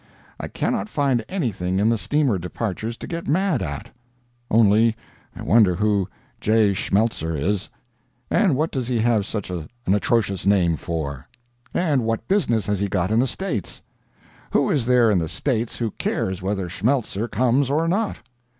I cannot find anything in the steamer departures to get mad at. Only, I wonder who "J. Schmeltzer" is?—and what does he have such an atrocious name for?—and what business has he got in the States?—who is there in the States who cares whether Schmeltzer comes or not?